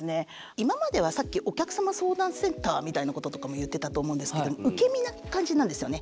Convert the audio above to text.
今まではさっきお客様相談センターみたいなこととかも言ってたと思うんですけど受け身な感じなんですよね。